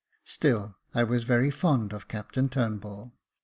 Still I was very fond of Captain Turnbull.